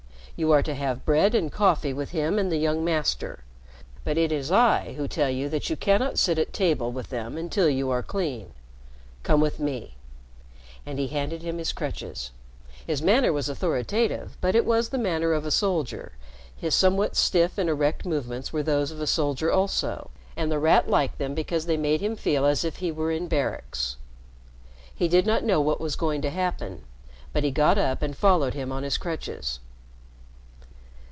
You are to have bread and coffee with him and the young Master. But it is I who tell you that you cannot sit at table with them until you are clean. Come with me," and he handed him his crutches. His manner was authoritative, but it was the manner of a soldier; his somewhat stiff and erect movements were those of a soldier, also, and The Rat liked them because they made him feel as if he were in barracks. He did not know what was going to happen, but he got up and followed him on his crutches.